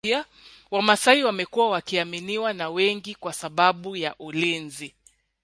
wamasai wamekuwa wakiaminiwa na wengi kwa sababu ya ulinzi